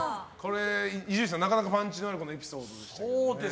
伊集院さん、なかなかパンチのあるエピソードでした。